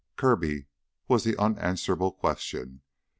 Kirby's was the unanswerable question.